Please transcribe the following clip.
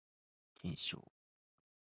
検証